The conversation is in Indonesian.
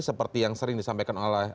seperti yang sering disampaikan oleh